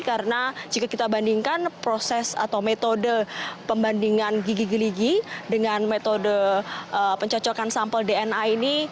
karena jika kita bandingkan proses atau metode pembandingan gigi gigi dengan metode pencocokan sampel dna ini